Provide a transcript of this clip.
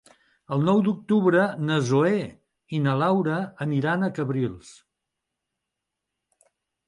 El nou d'octubre na Zoè i na Laura aniran a Cabrils.